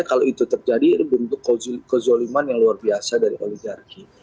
kalau itu terjadi bentuk kezoliman yang luar biasa dari oligarki